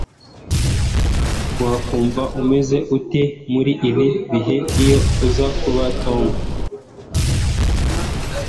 Wakumva umeze ute muri ibi bihe iyo uza kuba Tom